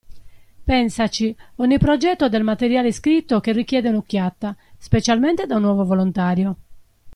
Pensaci, ogni progetto ha del materiale scritto che richiede una occhiata, specialmente da un nuovo volontario!